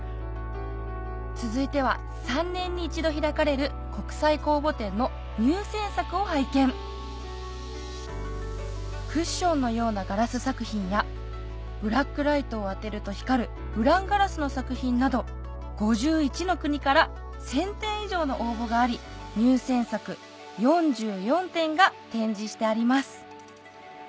続いては３年に１度開かれる国際公募展の入選作を拝見クッションのようなガラス作品やブラックライトを当てると光るウランガラスの作品など５１の国から１０００点以上の応募があり入選作４４点が展示してあります